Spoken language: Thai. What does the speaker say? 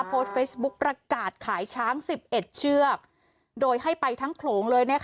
โพสต์เฟซบุ๊คประกาศขายช้าง๑๑เชือกโดยให้ไปทั้งโขลงเลยนะคะ